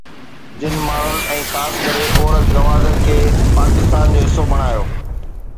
جن ماڻهن ۽ خاص ڪري عورت گوادر کي پاڪستان جو حصو بڻايو